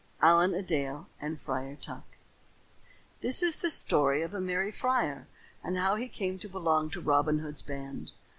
ALLEN A DALE AND FRIAR TUCK This is the story of a merry friar and how he came to belong to Robin Hood's band.